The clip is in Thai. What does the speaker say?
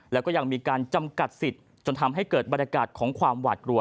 แล้วก็ยังมีการจำกัดสิทธิ์จนทำให้เกิดบรรยากาศของความหวาดกลัว